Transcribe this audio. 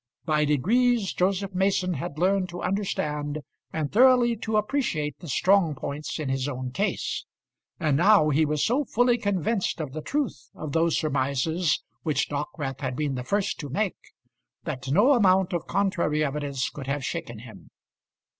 By degrees Joseph Mason had learned to understand and thoroughly to appreciate the strong points in his own case; and now he was so fully convinced of the truth of those surmises which Dockwrath had been the first to make, that no amount of contrary evidence could have shaken him.